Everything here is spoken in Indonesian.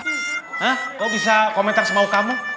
hah kamu bisa komentar sama aku